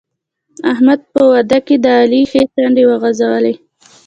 د احمد په واده کې علي ښې څڼې وغورځولې.